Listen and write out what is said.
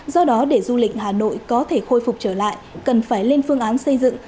do đó để du lịch hà nội có thể khôi phục trở lại cần phải lên phương án xây dựng